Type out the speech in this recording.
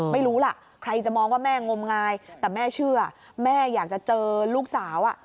ไม่รู้ล่ะใครจะมองว่าแม่งมงายแต่แม่เชื่อแม่อยากจะเจอลูกสาว